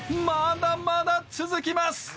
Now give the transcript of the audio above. まだまだ続きます！